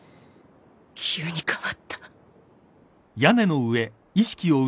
急に変わった